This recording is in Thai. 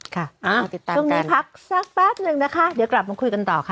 ค่ะติดตามกันเธอนี้พักสักแป๊บนึงนะคะเดี๋ยวกลับมาคุยกันต่อค่ะ